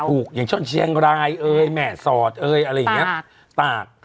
ถูกอย่างเชิญแชงรายเอ้ยแหม่สอดเอ้ยอะไรอย่างเงี้ยตากตาก